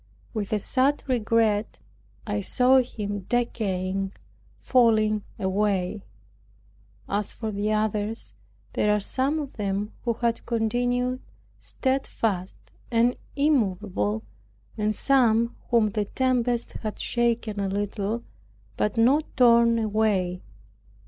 With a sad regret I saw him decaying, falling away. As for the others there are some of them who have continued stedfast and immovable, and some whom the tempest has shaken a little, but not torn away.